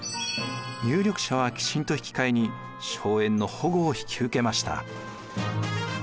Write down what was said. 有力者は寄進と引き換えに荘園の保護を引き受けました。